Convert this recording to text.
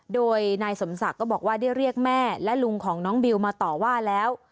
โดยนายสมศักดิ์ก็บอกว่าได้เรียกแม่และลุงของน้องบิวมาต่อว่าแล้ว